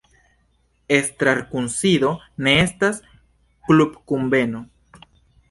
Estrarkunsido ne estas klubkunveno.